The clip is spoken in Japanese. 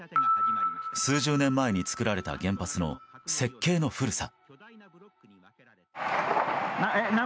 数十年前に作られた原発の設計の古さ。